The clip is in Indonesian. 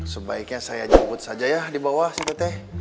sebaiknya saya jemput saja ya di bawah situ teh